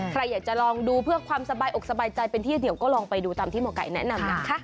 ใครอยากจะลองดูเพื่อความสบายอกสบายใจเป็นที่เดี๋ยวก็ลองไปดูตามที่หมอไก่แนะนำนะคะ